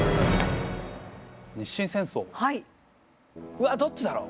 うわどっちだろう？